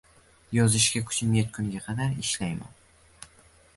Yozishga kuchim yetguniga qadar ishlayman